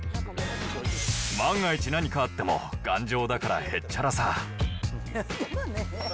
万が一何かあっても、頑丈だからへっちゃらさ。